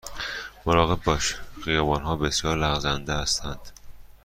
مراقب باش، خیابان ها بسیار لغزنده هستند.